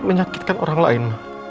menyakitkan orang lain